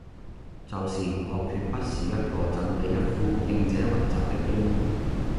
就是我決不是一個振臂一呼應者雲集的英雄。